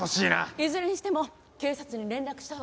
いずれにしても警察に連絡したほうがいいですわよね。